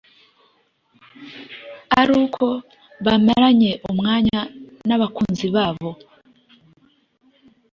ari uko bamaranye umwanya n’abakunzi babo